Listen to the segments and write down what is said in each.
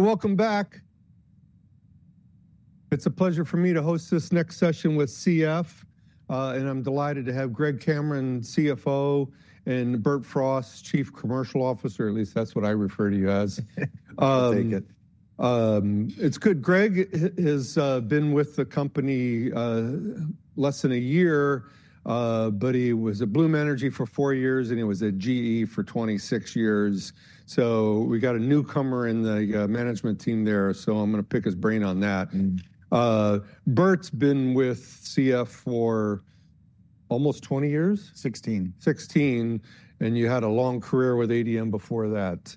Welcome back. It's a pleasure for me to host this next session with CF, and I'm delighted to have Greg Cameron, CFO, and Bert Frost, Chief Commercial Officer, at least that's what I refer to you as. Take it. It's good. Greg has been with the company less than a year, but he was at Bloom Energy for four years, and he was at GE for 26 years. So, we got a newcomer in the Management team there, so I'm going to pick his brain on that. Bert's been with CF for almost 20 years? 16. And you had a long career with ADM before that.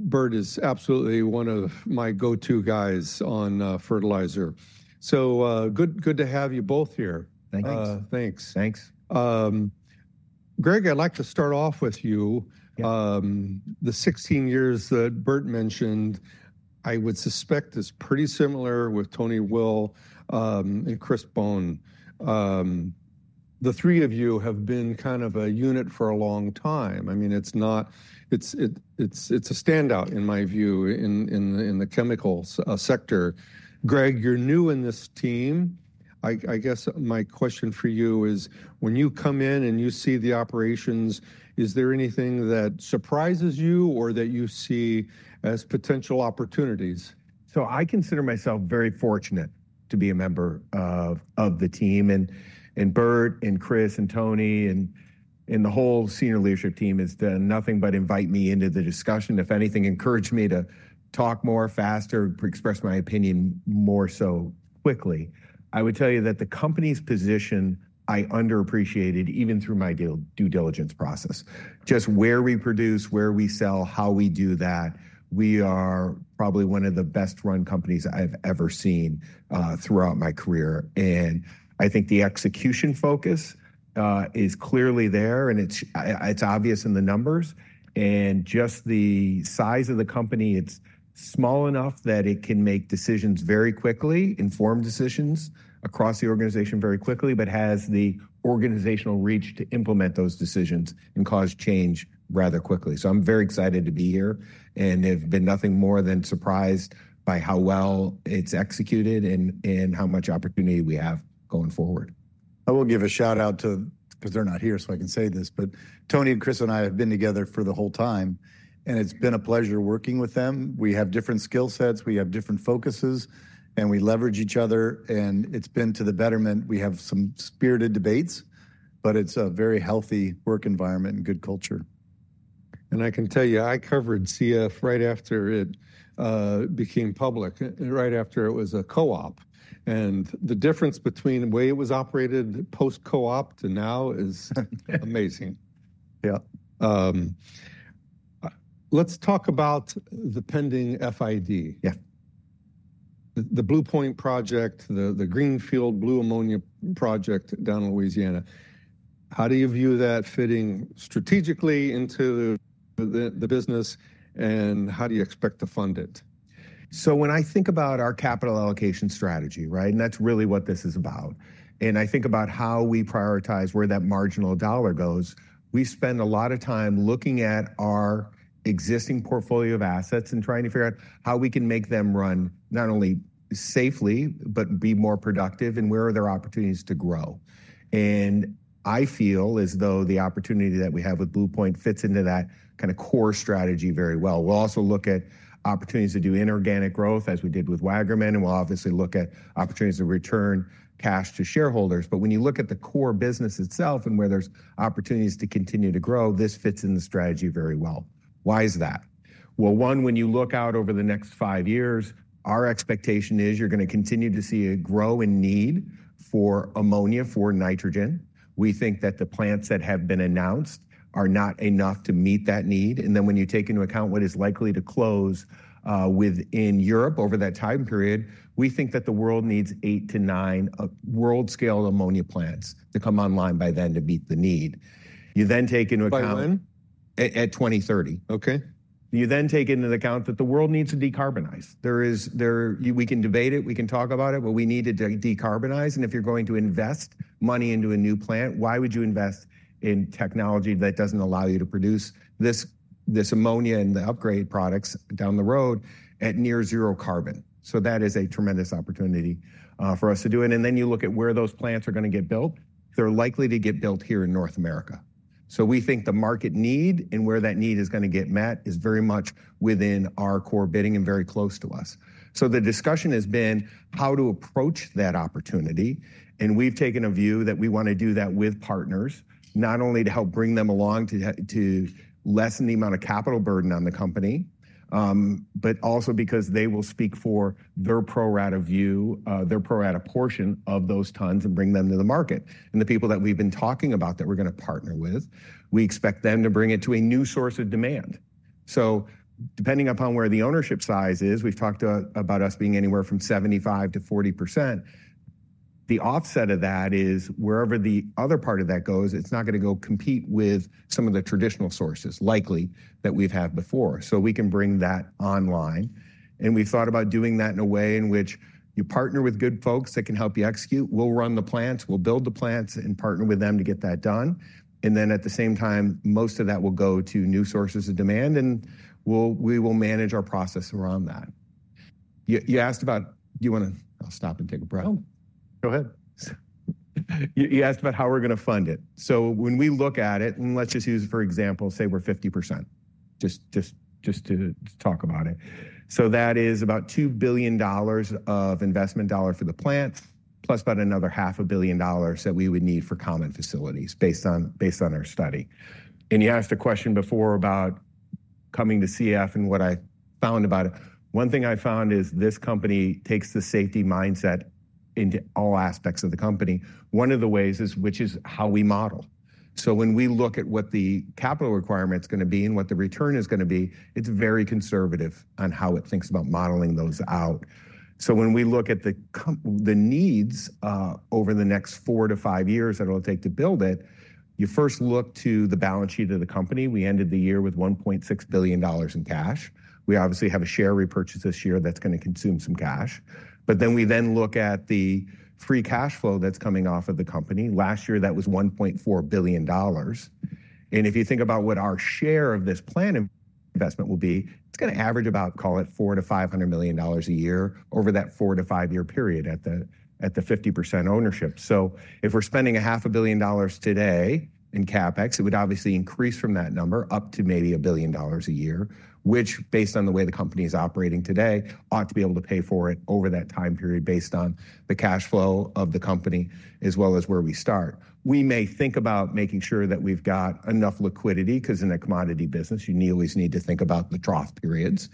Bert is absolutely one of my go-to guys on fertilizer. So good to have you both here. Thanks. Thanks. Greg, I'd like to start off with you. The 16 years that Bert mentioned, I would suspect is pretty similar with Tony Will and Chris Bohn. The three of you have been kind of a unit for a long time. I mean, it's a standout, in my view, in the chemicals sector. Greg, you're new in this team. I guess my question for you is, when you come in and you see the operations, is there anything that surprises you or that you see as potential opportunities? So, I consider myself very fortunate to be a member of the team. And Bert, and Chris, and Tony, and the whole Senior Leadership team has done nothing but invite me into the discussion. If anything, encouraged me to talk more, faster, express my opinion more so quickly. I would tell you that the company's position I underappreciated, even through my due diligence process. Just where we produce, where we sell, how we do that, we are probably one of the best-run companies I've ever seen throughout my career. And I think the execution focus is clearly there, and it's obvious in the numbers. And just the size of the company, it's small enough that it can make decisions very quickly, inform decisions across the organization very quickly, but has the organizational reach to implement those decisions and cause change rather quickly. So, I'm very excited to be here, and have been nothing more than surprised by how well it's executed and how much opportunity we have going forward. I will give a shout-out to, because they're not here, so I can say this, but Tony and Chris, and I have been together for the whole time, and it's been a pleasure working with them. We have different skill sets, we have different focuses, and we leverage each other. And it's been to the betterment. We have some spirited debates, but it's a very healthy work environment and good culture. And I can tell you, I covered CF right after it became public, right after it was a co-op. And the difference between the way it was operated post-co-op to now is amazing. Yeah. Let's talk about the pending FID. Yeah. The Blue Point project, the Greenfield Blue Ammonia project down in Louisiana. How do you view that fitting strategically into the business, and how do you expect to fund it? So, when I think about our capital allocation strategy, right, and that's really what this is about, and I think about how we prioritize where that marginal dollar goes, we spend a lot of time looking at our existing portfolio of assets and trying to figure out how we can make them run not only safely, but be more productive, and where are there opportunities to grow. And I feel as though the opportunity that we have with Blue Point fits into that kind of core strategy very well. We'll also look at opportunities to do inorganic growth, as we did with Waggaman, and we'll obviously look at opportunities to return cash to shareholders. But when you look at the core business itself and where there's opportunities to continue to grow, this fits in the strategy very well. Why is that? One, when you look out over the next five years, our expectation is you're going to continue to see a growing need for ammonia, for nitrogen. We think that the plants that have been announced are not enough to meet that need. And then when you take into account what is likely to close within Europe over that time period, we think that the world needs eight to nine world-scale ammonia plants to come online by then to meet the need. You then take into account. By when? At 2030. Okay. You then take into account that the world needs to decarbonize. We can debate it, we can talk about it, but we need to decarbonize. And if you're going to invest money into a new plant, why would you invest in technology that doesn't allow you to produce this ammonia and the upgraded products down the road at near-zero carbon? So that is a tremendous opportunity for us to do it. And then you look at where those plants are going to get built. They're likely to get built here in North America. So we think the market need and where that need is going to get met is very much within our core business and very close to us. So the discussion has been how to approach that opportunity. And we've taken a view that we want to do that with partners, not only to help bring them along to lessen the amount of capital burden on the company, but also because they will speak for their pro-rata view, their pro-rata portion of those tons and bring them to the market. And the people that we've been talking about that we're going to partner with, we expect them to bring it to a new source of demand. So, depending upon where the ownership size is, we've talked about us being anywhere from 75%-40%. The offset of that is wherever the other part of that goes, it's not going to go compete with some of the traditional sources likely that we've had before. So we can bring that online. We've thought about doing that in a way in which you partner with good folks that can help you execute. We'll run the plants, we'll build the plants, and partner with them to get that done. Then at the same time, most of that will go to new sources of demand, and we will manage our process around that. You asked about, do you want to. I'll stop and take a breath. Oh, go ahead. You asked about how we're going to fund it. So when we look at it, and let's just use it for example, say we're 50%, just to talk about it. So that is about $2 billion of investment dollars for the plants, plus about another $500 million that we would need for common facilities based on our study. And you asked a question before about coming to CF and what I found about it. One thing I found is this company takes the safety mindset into all aspects of the company. One of the ways is which is how we model. So when we look at what the capital requirement's going to be and what the return is going to be, it's very conservative on how it thinks about modeling those out. When we look at the needs over the next four to five years that it'll take to build it, you first look to the balance sheet of the company. We ended the year with $1.6 billion in cash. We obviously have a share repurchase this year that's going to consume some cash. But then we look at the free cash flow that's coming off of the company. Last year, that was $1.4 billion. And if you think about what our share of this plant investment will be, it's going to average about, call it, $400 million-$500 million a year over that four to five-year period at the 50% ownership. So if we're spending $500 million today in CapEx, it would obviously increase from that number up to maybe $1 billion a year, which, based on the way the company is operating today, ought to be able to pay for it over that time period based on the cash flow of the company, as well as where we start. We may think about making sure that we've got enough liquidity because in a commodity business, you need to always think about the trough periods,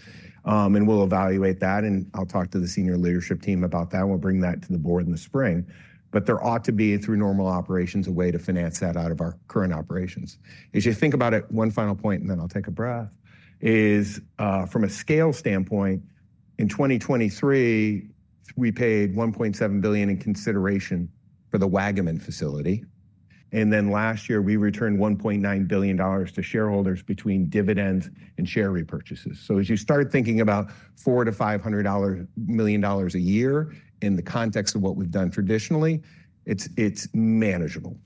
and we'll evaluate that, and I'll talk to the Senior Leadership team about that. We'll bring that to the Board in the spring, but there ought to be, through normal operations, a way to finance that out of our current operations. As you think about it, one final point, and then I'll take a breath, is from a scale standpoint, in 2023, we paid $1.7 billion in consideration for the Waggaman facility. And then last year, we returned $1.9 billion to shareholders between dividends and share repurchases. So, as you start thinking about $400 million-$500 million a year in the context of what we've done traditionally, it's manageable.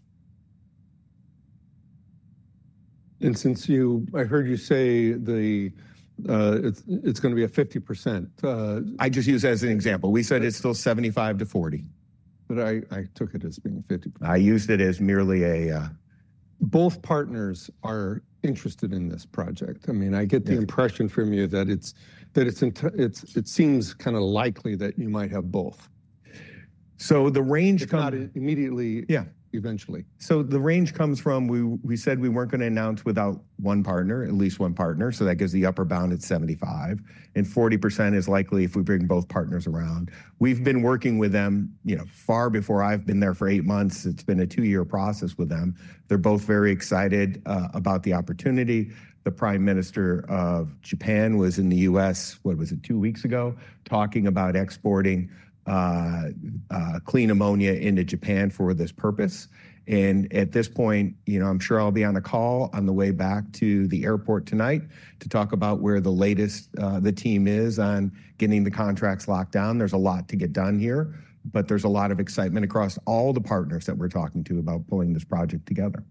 Since you, I heard you say it's going to be a 50%. I just use that as an example. We said it's still 75% to %40. But I took it as being 50%. I used it as merely a. Both partners are interested in this project. I mean, I get the impression from you that it seems kind of likely that you might have both. So the range comes Not immediately. Yeah. Eventually. So the range comes from, we said we weren't going to announce without one partner, at least one partner. So that gives the upper bound at 75%. And 40% is likely if we bring both partners around. We've been working with them far before I've been there for eight months. It's been a two-year process with them. They're both very excited about the opportunity. The Prime Minister of Japan was in the U.S., what was it, two weeks ago, talking about exporting clean ammonia into Japan for this purpose. And at this point, I'm sure I'll be on a call on the way back to the airport tonight to talk about where the latest the team is on getting the contracts locked down. There's a lot to get done here, but there's a lot of excitement across all the partners that we're talking to about pulling this project together.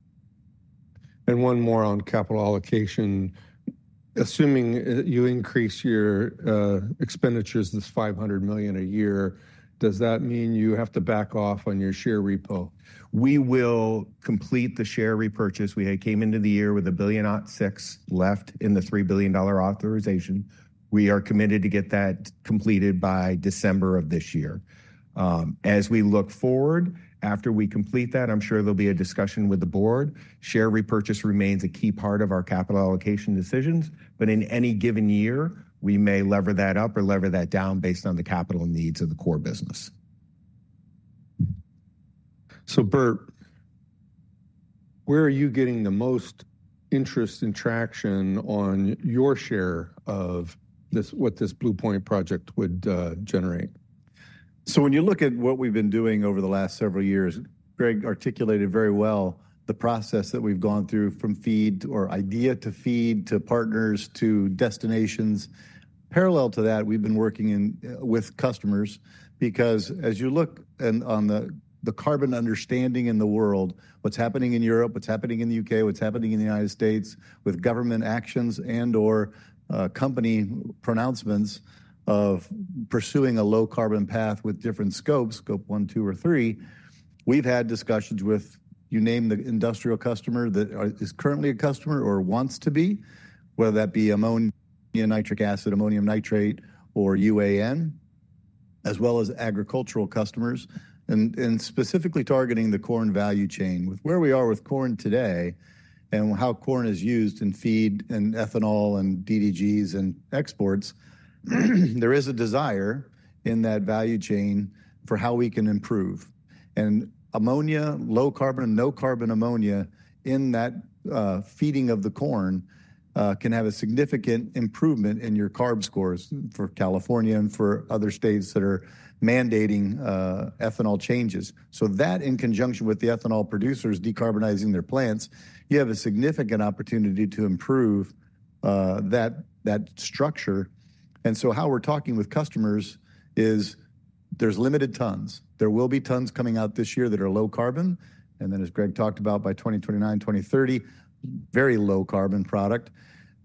One more on capital allocation. Assuming you increase your expenditures to $500 million a year, does that mean you have to back off on your share repo? We will complete the share repurchase. We came into the year with $1.6 billion left in the $3 billion authorization. We are committed to get that completed by December of this year. As we look forward, after we complete that, I'm sure there'll be a discussion with the Board. Share repurchase remains a key part of our capital allocation decisions, but in any given year, we may lever that up or lever that down based on the capital needs of the core business. So Bert, where are you getting the most interest and traction on your share of what this Blue Point project would generate? So when you look at what we've been doing over the last several years, Greg articulated very well the process that we've gone through from FEED or idea to FEED to partners to destinations. Parallel to that, we've been working with customers because as you look on the carbon understanding in the world, what's happening in Europe, what's happening in the U.K., what's happening in the United States with government actions and/or company pronouncements of pursuing a low carbon path with different scopes; scope one, two, or three, we've had discussions with, you name the industrial customer that is currently a customer or wants to be, whether that be ammonia, nitric acid, ammonium nitrate, or UAN, as well as agricultural customers, and specifically targeting the corn value chain. With where we are with corn today and how corn is used in feed and ethanol and DDGS and exports, there is a desire in that value chain for how we can improve, and ammonia, low carbon and no carbon ammonia in that feeding of the corn can have a significant improvement in your carbon scores for California and for other states that are mandating ethanol changes, so that in conjunction with the ethanol producers decarbonizing their plants, you have a significant opportunity to improve that structure, and so how we're talking with customers is there's limited tons. There will be tons coming out this year that are low carbon, and then as Greg talked about, by 2029, 2030, very low carbon product,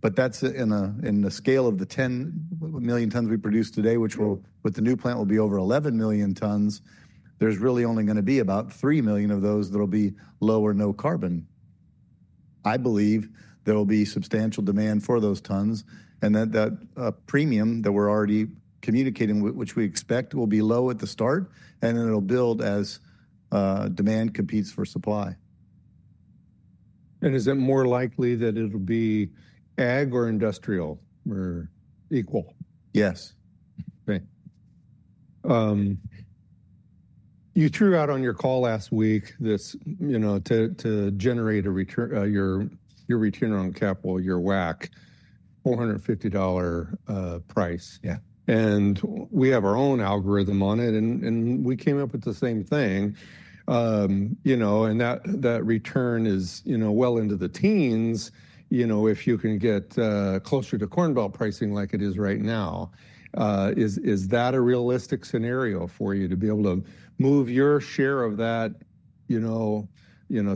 but that's in the scale of the 10 million tons we produce today, which with the new plant will be over 11 million tons. There's really only going to be about 3 million of those that will be low or no carbon. I believe there will be substantial demand for those tons, and that premium that we're already communicating, which we expect, will be low at the start, and then it'll build as demand competes for supply. And is it more likely that it'll be ag or industrial, or equal? Yes. Okay. You threw out on your call last week this to generate your return on capital, your WACC, $450 price. Yeah. We have our own algorithm on it, and we came up with the same thing. That return is well into the teens. If you can get closer to Corn Belt pricing like it is right now, is that a realistic scenario for you to be able to move your share of that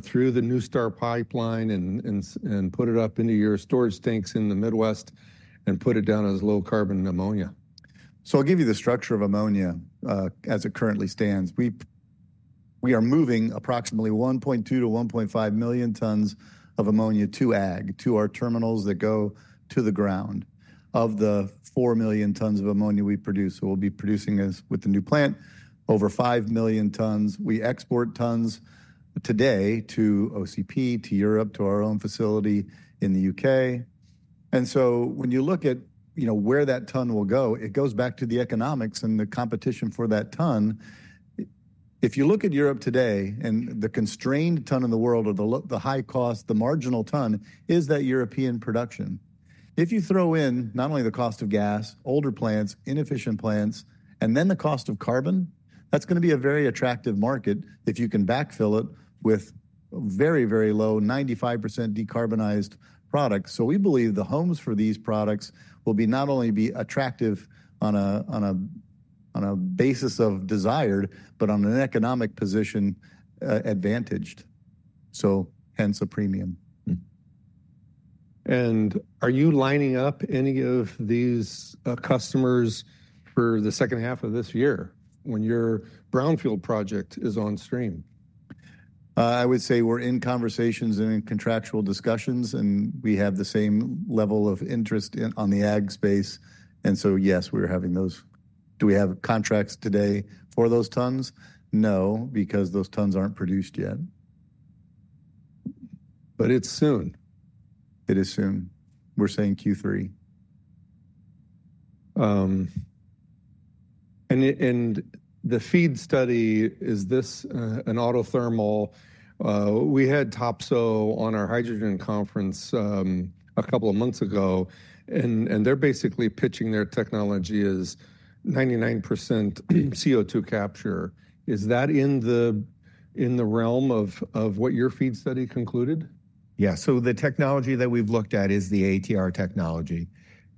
through the NuStar pipeline and put it up into your storage tanks in the Midwest and put it down as low-carbon ammonia? I'll give you the structure of ammonia as it currently stands. We are moving approximately 1.2-1.5 million tons of ammonia to ag, to our terminals that go to the ground of the four million tons of ammonia we produce. We'll be producing with the new plant over five million tons. We export tons today to OCP, to Europe, to our own facility in the U.K., and so when you look at where that ton will go, it goes back to the economics and the competition for that ton. If you look at Europe today and the constrained ton in the world or the high cost, the marginal ton is that European production. If you throw in not only the cost of gas, older plants, inefficient plants, and then the cost of carbon, that's going to be a very attractive market if you can backfill it with very, very low, 95% decarbonized products. So we believe the homes for these products will not only be attractive on a basis of desired, but on an economic position advantaged. So, hence a premium. Are you lining up any of these customers for the second half of this year when your brownfield project is on stream? I would say we're in conversations and in contractual discussions, and we have the same level of interest on the ag space. And so yes, we're having those. Do we have contracts today for those tons? No, because those tons aren't produced yet. But it's soon. It is soon. We're saying Q3. The FEED study, is this an autothermal? We had Topsoe on our hydrogen conference a couple of months ago, and they're basically pitching their technology as 99% CO2 capture. Is that in the realm of what your FEED study concluded? Yeah, so the technology that we've looked at is the ATR technology,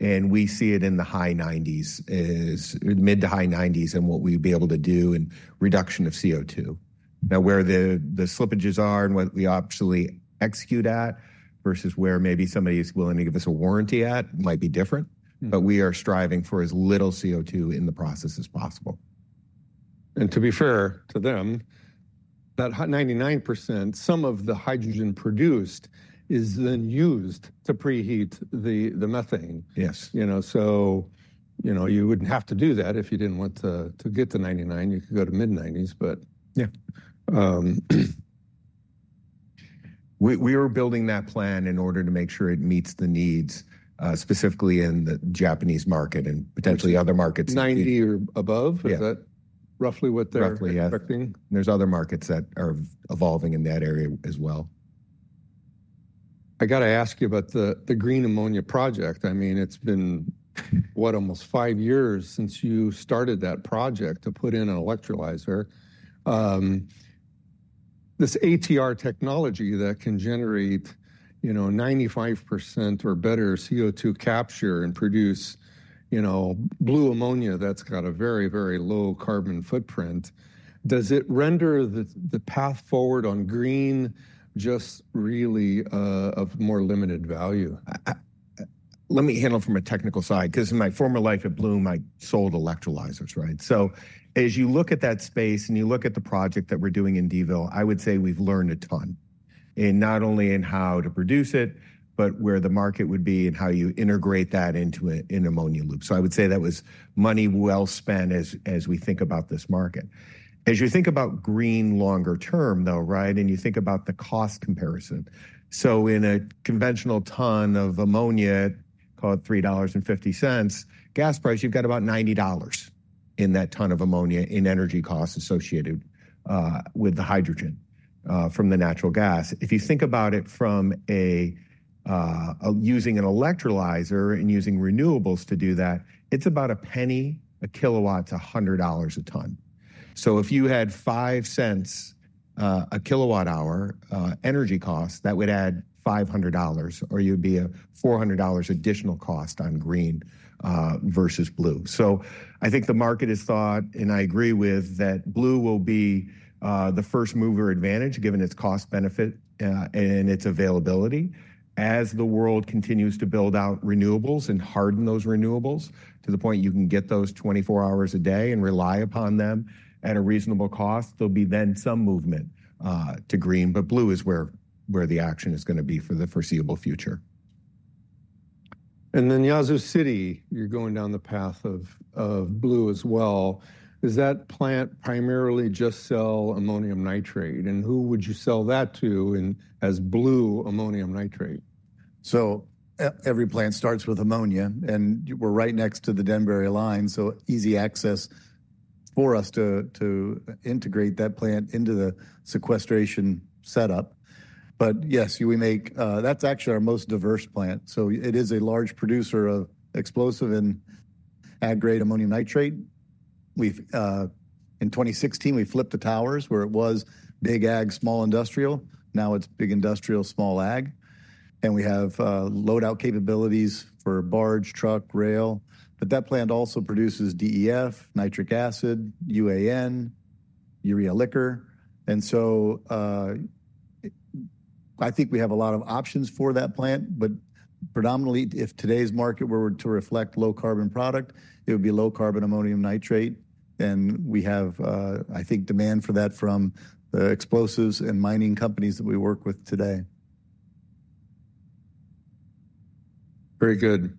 and we see it in the high 90s%, mid to high 90s% in what we'd be able to do in reduction of CO2. Now, where the slippages are and what we actually execute at versus where maybe somebody is willing to give us a warranty at might be different, but we are striving for as little CO2 in the process as possible. To be fair to them, that hot 99%, some of the hydrogen produced is then used to preheat the methane. Yes. So you wouldn't have to do that if you didn't want to get to 99%. You could go to mid 90s% %, but. Yeah. We are building that plan in order to make sure it meets the needs specifically in the Japanese market and potentially other markets. 90% or above, is that roughly what they're expecting? Roughly, yes. There's other markets that are evolving in that area as well. I got to ask you about the green ammonia project. I mean, it's been, what, almost five years since you started that project to put in an electrolyzer. This ATR technology that can generate 95% or better CO2 capture and produce blue ammonia that's got a very, very low carbon footprint, does it render the path forward on green just really of more limited value? Let me handle it from a technical side because in my former life at Bloom, I sold electrolyzers, right? So as you look at that space and you look at the project that we're doing in Dville, I would say we've learned a ton, not only in how to produce it, but where the market would be and how you integrate that into an ammonia loop. So I would say that was money well spent as we think about this market. As you think about green longer term, though, right, and you think about the cost comparison. So in a conventional ton of ammonia, call it $3.50, gas price, you've got about $90 in that ton of ammonia in energy costs associated with the hydrogen from the natural gas. If you think about it from using an electrolyzer and using renewables to do that, it's about $0.01 a kilowatt, $100 a ton. So if you had $0.05 a kilowatt-hour energy cost, that would add $500, or you'd be at $400 additional cost on green versus blue. So I think the market has thought, and I agree with, that blue will be the first mover advantage given its cost benefit and its availability. As the world continues to build out renewables and harden those renewables to the point you can get those 24 hours a day and rely upon them at a reasonable cost, there'll be then some movement to green, but blue is where the action is going to be for the foreseeable future. And then Yazoo City, you're going down the path of blue as well. Is that plant primarily just sell ammonium nitrate? And who would you sell that to as blue ammonium nitrate? So every plant starts with ammonia, and we're right next to the Denbury Line, so easy access for us to integrate that plant into the sequestration setup. But yes, we make. That's actually our most diverse plant. So it is a large producer of explosive and ag-grade ammonium nitrate. In 2016, we flipped the towers where it was big ag, small industrial. Now it's big industrial, small ag. And we have load-out capabilities for barge, truck, rail. But that plant also produces DEF, nitric acid, UAN, urea liquor. And so I think we have a lot of options for that plant, but predominantly, if today's market were to reflect low carbon product, it would be low carbon ammonium nitrate. And we have, I think, demand for that from the explosives and mining companies that we work with today. Very good.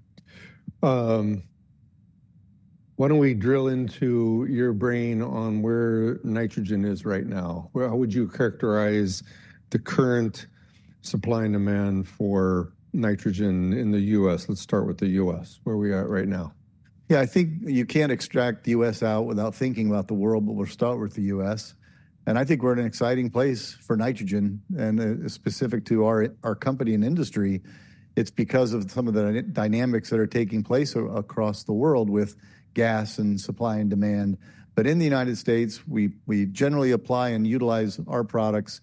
Why don't we drill into your brain on where nitrogen is right now? How would you characterize the current supply and demand for nitrogen in the U.S.? Let's start with the U.S. Where are we at right now? Yeah, I think you can't extract the U.S. out without thinking about the world, but we'll start with the U.S., and I think we're in an exciting place for nitrogen, and specific to our company and industry. It's because of some of the dynamics that are taking place across the world with gas and supply and demand, but in the United States, we generally apply and utilize our products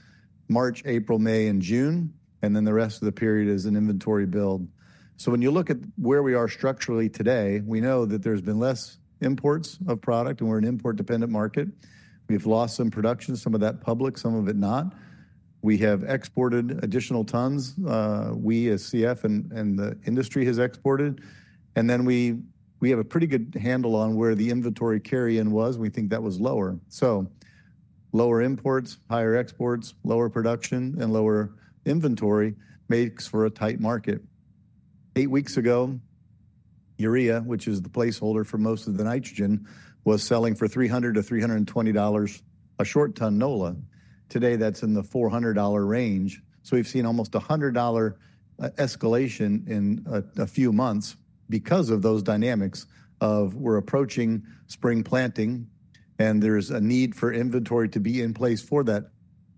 March, April, May, and June, and then the rest of the period is an inventory build, so when you look at where we are structurally today, we know that there's been less imports of product, and we're an import-dependent market. We've lost some production, some of that public, some of it not. We have exported additional tons. We, as CF, and the industry has exported, and then we have a pretty good handle on where the inventory carry-in was. We think that was lower, so lower imports, higher exports, lower production, and lower inventory makes for a tight market. Eight weeks ago, urea, which is the placeholder for most of the nitrogen, was selling for $300-$320 a short ton NOLA. Today, that's in the $400 range, so we've seen almost $100 escalation in a few months because of those dynamics of we're approaching spring planting, and there's a need for inventory to be in place for that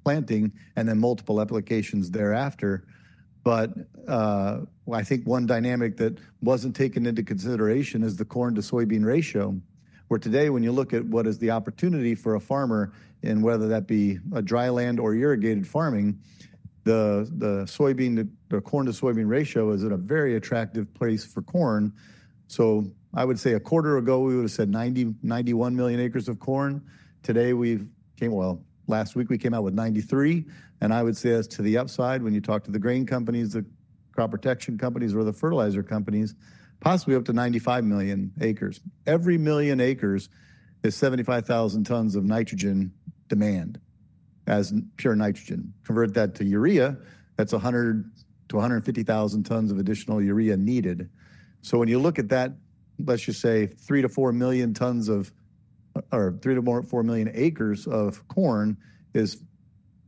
planting and then multiple applications thereafter, but I think one dynamic that wasn't taken into consideration is the corn-to-soybean ratio, where today, when you look at what is the opportunity for a farmer in whether that be dry land or irrigated farming, the corn-to-soybean ratio is at a very attractive place for corn, so I would say a quarter ago, we would have said 91 million acres of corn. Today, we've came, well, last week we came out with 93. I would say as to the upside, when you talk to the grain companies, the crop protection companies, or the fertilizer companies, possibly up to 95 million acres. Every million acres is 75,000 tons of nitrogen demand as pure nitrogen. Convert that to urea, that's 100,000-150,000 tons of additional urea needed. So when you look at that, let's just say 3-4 million acres of corn is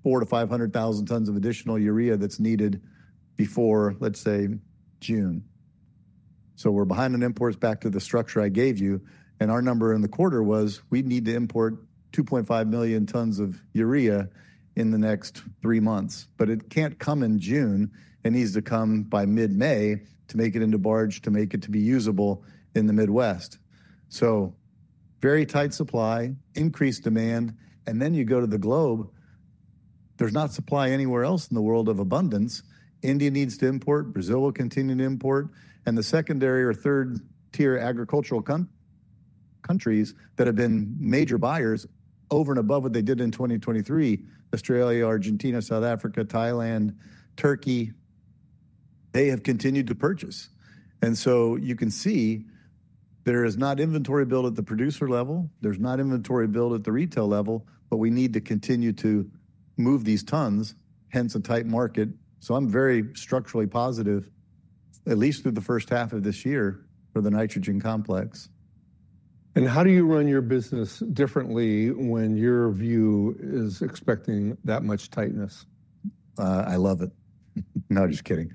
400,000-500,000 tons of additional urea that's needed before, let's say, June. We're behind on imports back to the structure I gave you. Our number in the quarter was we need to import 2.5 million tons of urea in the next three months. It can't come in June. It needs to come by mid-May to make it into barge, to make it to be usable in the Midwest. So, very tight supply, increased demand, and then you go to the globe, there's not supply anywhere else in the world of abundance. India needs to import. Brazil will continue to import, and the secondary or third-tier agricultural countries that have been major buyers over and above what they did in 2023, Australia, Argentina, South Africa, Thailand, Turkey, they have continued to purchase, and so you can see there is not inventory build at the producer level. There's not inventory build at the retail level, but we need to continue to move these tons, hence a tight market, so I'm very structurally positive, at least through the first half of this year for the nitrogen complex. How do you run your business differently when your view is expecting that much tightness? I love it. No, just kidding.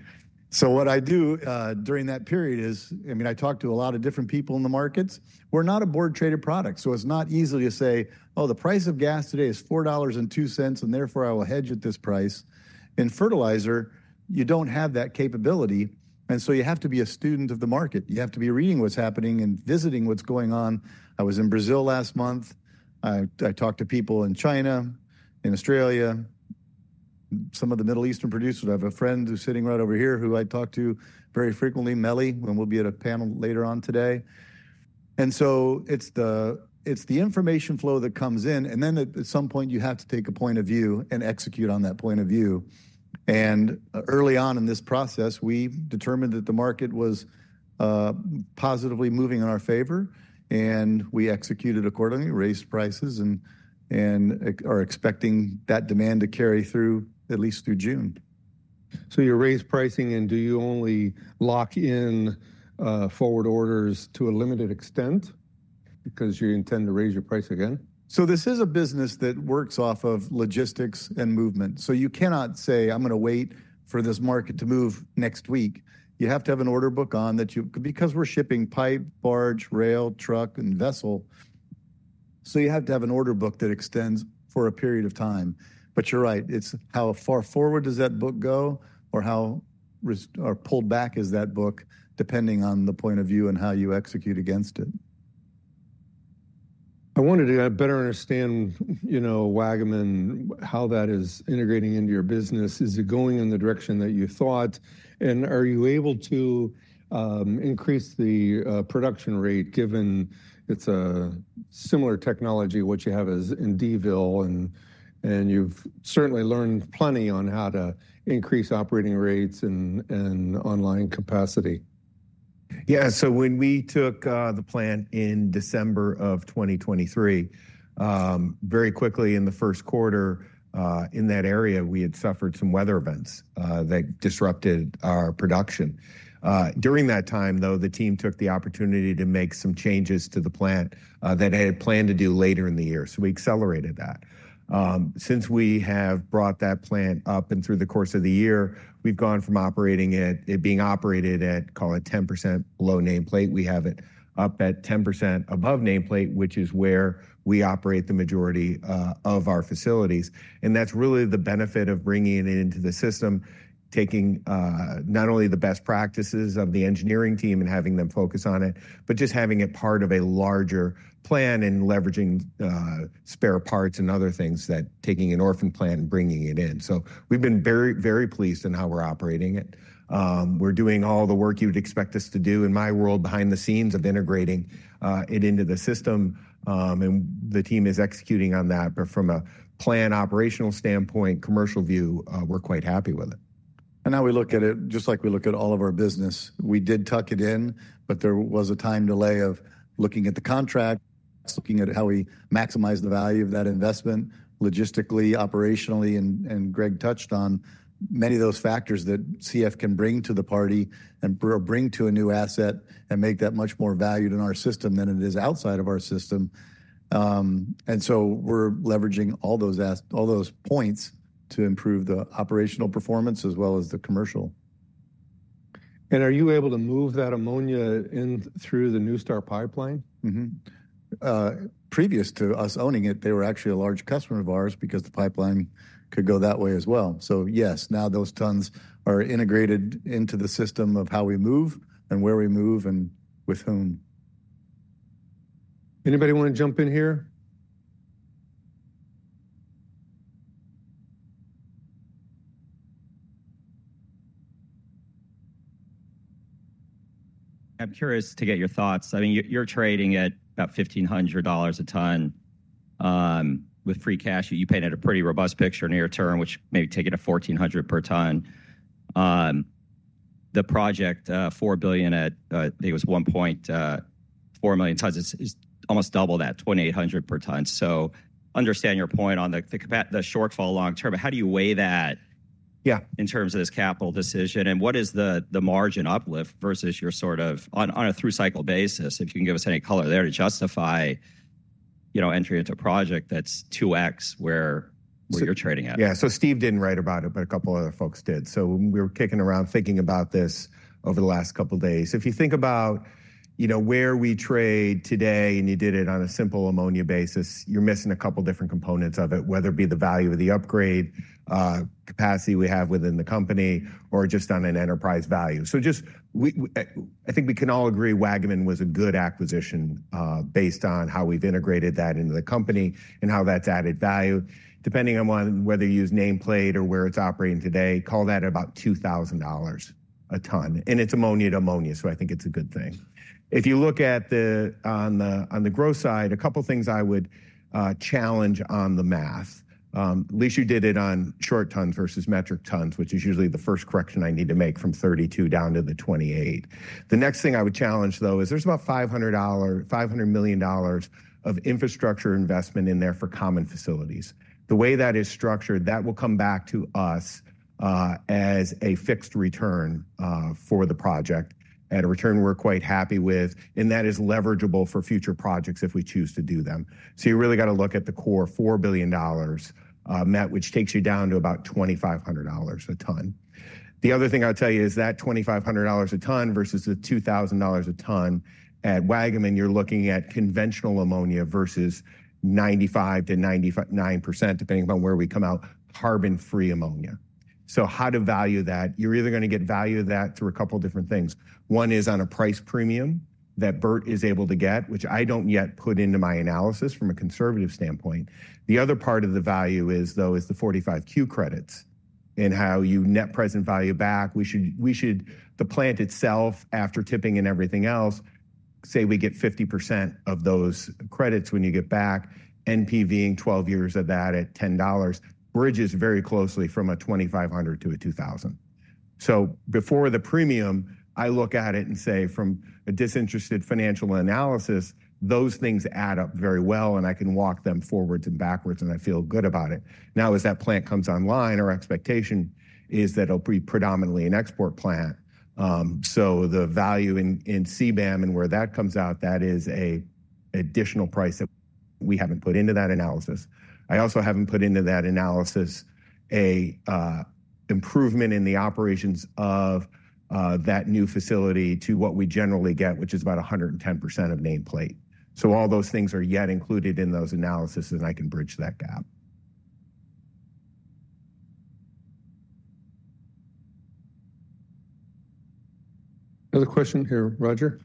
So what I do during that period is, I mean, I talk to a lot of different people in the markets. We're not a broadly-traded product, so it's not easy to say, "Oh, the price of gas today is $4.02, and therefore I will hedge at this price." In fertilizer, you don't have that capability. And so you have to be a student of the market. You have to be reading what's happening and visiting what's going on. I was in Brazil last month. I talked to people in China, in Australia, some of the Middle Eastern producers. I have a friend who's sitting right over here who I talk to very frequently, MELI, when we'll be at a panel later on today. And so it's the information flow that comes in. Then at some point, you have to take a point of view and execute on that point of view. Early on in this process, we determined that the market was positively moving in our favor, and we executed accordingly, raised prices, and are expecting that demand to carry through at least through June. So you raise pricing, and do you only lock in forward orders to a limited extent because you intend to raise your price again? So this is a business that works off of logistics and movement. So you cannot say, "I'm going to wait for this market to move next week." You have to have an order book on that because we're shipping pipe, barge, rail, truck, and vessel. So you have to have an order book that extends for a period of time. But you're right, it's how far forward does that book go, or how pulled back is that book, depending on the point of view and how you execute against it. I wanted to better understand Waggaman, how that is integrating into your business. Is it going in the direction that you thought? And are you able to increase the production rate given it's a similar technology what you have in Dville, and you've certainly learned plenty on how to increase operating rates and online capacity? Yeah. So when we took the plant in December of 2023, very quickly in the first quarter in that area, we had suffered some weather events that disrupted our production. During that time, though, the team took the opportunity to make some changes to the plant that they had planned to do later in the year. So we accelerated that. Since we have brought that plant up and through the course of the year, we've gone from operating it, being operated at, call it 10% below nameplate. We have it up at 10% above nameplate, which is where we operate the majority of our facilities. And that's really the benefit of bringing it into the system, taking not only the best practices of the engineering team and having them focus on it, but just having it part of a larger plan and leveraging spare parts and other things. Taking an orphan plant and bringing it in. So we've been very, very pleased with how we're operating it. We're doing all the work you would expect us to do in my world behind the scenes of integrating it into the system. And the team is executing on that. But from a plant operational standpoint, commercial view, we're quite happy with it. Now we look at it just like we look at all of our business. We did tuck it in, but there was a time delay of looking at the contract, looking at how we maximize the value of that investment logistically, operationally, and Greg touched on many of those factors that CF can bring to the party and bring to a new asset and make that much more valued in our system than it is outside of our system. So we're leveraging all those points to improve the operational performance as well as the commercial. Are you able to move that ammonia in through the NuStar pipeline? Mm-hmm. Previous to us owning it, they were actually a large customer of ours because the pipeline could go that way as well. So yes, now those tons are integrated into the system of how we move and where we move and with whom. Anybody want to jump in here? I'm curious to get your thoughts. I mean, you're trading at about $1,500 a ton with free cash. You painted a pretty robust picture near term, which maybe take it to $1,400 per ton. The project, $4 billion, I think it was 1.4 million tons, is almost double that, $2,800 per ton. So understand your point on the shortfall long term, but how do you weigh that in terms of this capital decision? And what is the margin uplift versus your sort of on a through-cycle basis, if you can give us any color there to justify entry into a project that's 2x where you're trading at? Yeah. So Steve didn't write about it, but a couple of other folks did. So we were kicking around thinking about this over the last couple of days. If you think about where we trade today, and you did it on a simple ammonia basis, you're missing a couple of different components of it, whether it be the value of the upgrade, capacity we have within the company, or just on an enterprise value. So just I think we can all agree Waggaman was a good acquisition based on how we've integrated that into the company and how that's added value. Depending on whether you use nameplate or where it's operating today, call that about $2,000 a ton. And it's ammonia to ammonia, so I think it's a good thing. If you look at then on the gross side, a couple of things I would challenge on the math. At least you did it on short tons versus metric tons, which is usually the first correction I need to make from 32 down to the 28. The next thing I would challenge, though, is there's about $500 million of infrastructure investment in there for common facilities. The way that is structured, that will come back to us as a fixed return for the project at a return we're quite happy with, and that is leverageable for future projects if we choose to do them. So you really got to look at the core $4 billion net, which takes you down to about $2,500 a ton. The other thing I'll tell you is that $2,500 a ton versus the $2,000 a ton at Waggaman, you're looking at conventional ammonia versus 95%-99%, depending upon where we come out, carbon-free ammonia. So how to value that? You're either going to get value of that through a couple of different things. One is on a price premium that Bert is able to get, which I don't yet put into my analysis from a conservative standpoint. The other part of the value is, though, the 45Q credits and how you net present value back. We value the plant itself, after tipping and everything else, say we get 50% of those credits when you get back, NPV in 12 years of that at $10, bridges very closely from a $2,500 to a $2,000. So before the premium, I look at it and say, from a disinterested financial analysis, those things add up very well, and I can walk them forwards and backwards, and I feel good about it. Now, as that plant comes online, our expectation is that it'll be predominantly an export plant. So the value in CBAM and where that comes out, that is an additional price that we haven't put into that analysis. I also haven't put into that analysis an improvement in the operations of that new facility to what we generally get, which is about 110% of nameplate. So all those things are yet included in those analyses, and I can bridge that gap. Another question here, Roger.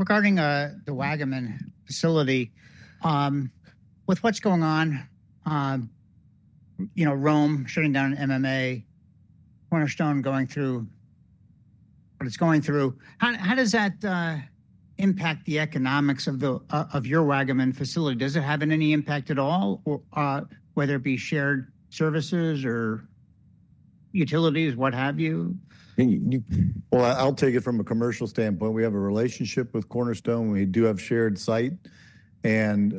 Regarding the Waggaman facility, with what's going on, Röhm shutting down MMA, Cornerstone going through what it's going through, how does that impact the economics of your Waggaman facility? Does it have any impact at all, whether it be shared services or utilities, what have you? I'll take it from a commercial standpoint. We have a relationship with Cornerstone. We do have shared site, and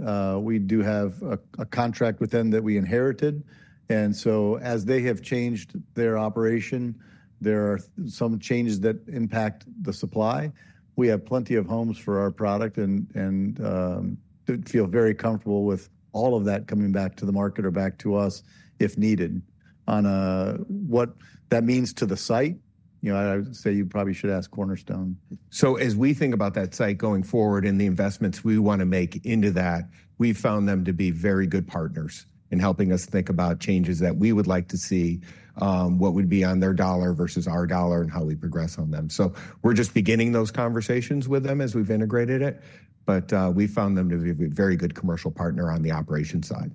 we do have a contract with them that we inherited. As they have changed their operation, there are some changes that impact the supply. We have plenty of homes for our product and feel very comfortable with all of that coming back to the market or back to us if needed. What that means to the site, I would say you probably should ask Cornerstone. As we think about that site going forward and the investments we want to make into that, we've found them to be very good partners in helping us think about changes that we would like to see, what would be on their dollar versus our dollar, and how we progress on them. So we're just beginning those conversations with them as we've integrated it, but we found them to be a very good commercial partner on the operation side.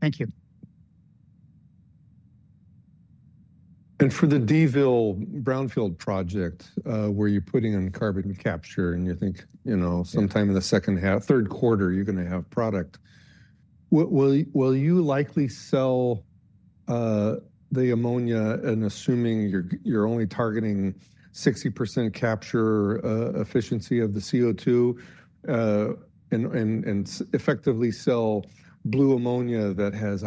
Thank you. For the Dville Brownfield project, where you're putting in carbon capture, and you think sometime in the second half, third quarter, you're going to have product, will you likely sell the ammonia, assuming you're only targeting 60% capture efficiency of the CO2, and effectively sell blue ammonia that has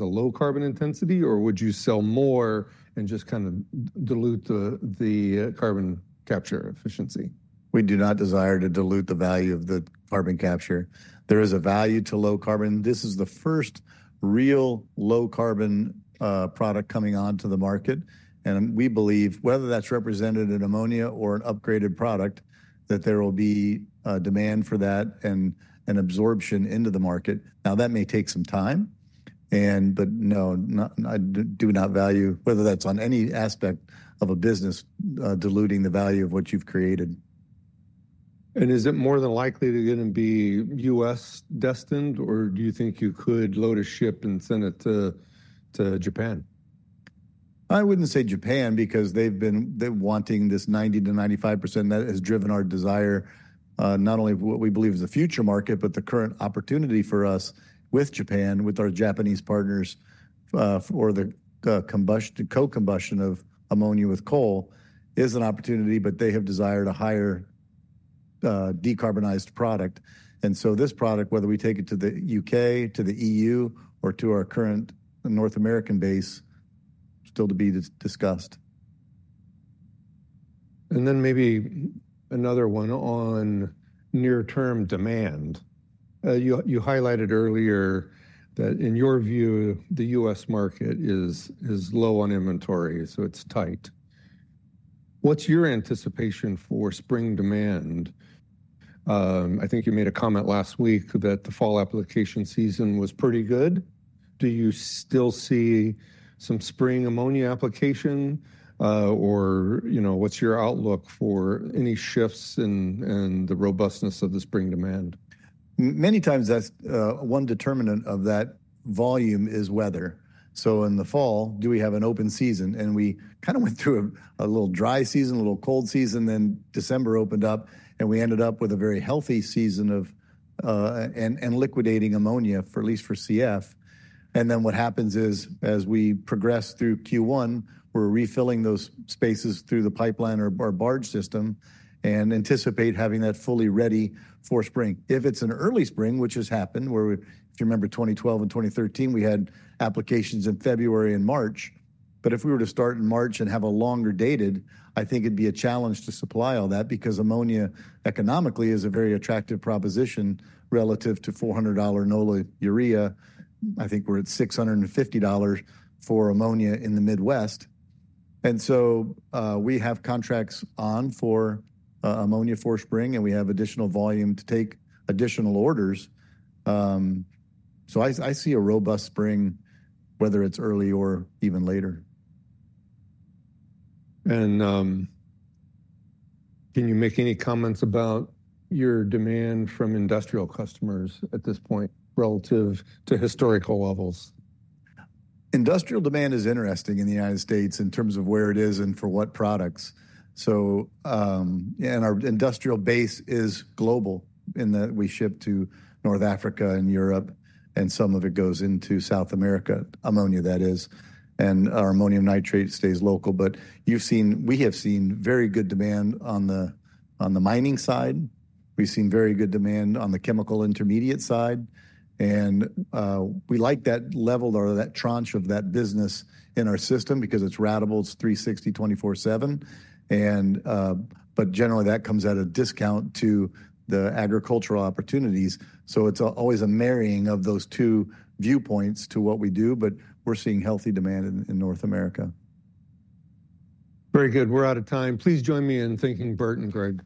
a low carbon intensity, or would you sell more and just kind of dilute the carbon capture efficiency? We do not desire to dilute the value of the carbon capture. There is a value to low carbon. This is the first real low-carbon product coming onto the market. And we believe, whether that's represented in ammonia or an upgraded product, that there will be demand for that and absorption into the market. Now, that may take some time, but no, I do not value, whether that's on any aspect of a business, diluting the value of what you've created. Is it more than likely going to be U.S. destined, or do you think you could load a ship and send it to Japan? I wouldn't say Japan because they've been wanting this 90%-95% that has driven our desire, not only of what we believe is a future market, but the current opportunity for us with Japan, with our Japanese partners for the co-combustion of ammonia with coal is an opportunity, but they have desired a higher decarbonized product, and so this product, whether we take it to the U.K., to the EU, or to our current North American base, still to be discussed. And then maybe another one on near-term demand. You highlighted earlier that in your view, the U.S. market is low on inventory, so it's tight. What's your anticipation for spring demand? I think you made a comment last week that the fall application season was pretty good. Do you still see some spring ammonia application, or what's your outlook for any shifts in the robustness of the spring demand? Many times, that's one determinant of that volume is weather. In the fall, do we have an open season? We kind of went through a little dry season, a little cold season, then December opened up, and we ended up with a very healthy season of and liquidating ammonia, at least for CF. What happens is, as we progress through Q1, we're refilling those spaces through the pipeline or barge system and anticipate having that fully ready for spring. If it's an early spring, which has happened, where if you remember 2012 and 2013, we had applications in February and March, but if we were to start in March and have a longer dated, I think it'd be a challenge to supply all that because ammonia economically is a very attractive proposition relative to $400 NOLA urea.I think we're at $650 for ammonia in the Midwest, and so we have contracts on for ammonia for spring, and we have additional volume to take additional orders, so I see a robust spring, whether it's early or even later. Can you make any comments about your demand from industrial customers at this point relative to historical levels? Industrial demand is interesting in the United States in terms of where it is and for what products, and our industrial base is global in that we ship to North Africa and Europe, and some of it goes into South America, ammonia, that is, and our ammonium nitrate stays local, but we have seen very good demand on the mining side. We've seen very good demand on the chemical intermediate side, and we like that level or that tranche of that business in our system because it's ratable. It's 360, 24/7, but generally, that comes at a discount to the agricultural opportunities, so it's always a marrying of those two viewpoints to what we do, but we're seeing healthy demand in North America. Very good. We're out of time. Please join me in thanking Bert and Greg.